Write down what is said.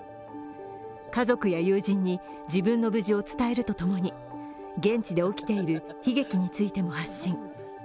家族や友人に自分の無事を伝えるとともに現地で起きている悲劇についても発信。